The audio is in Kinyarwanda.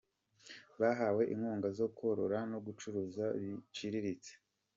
Bahawe inkunga zo korora no gucuruza biciriritse.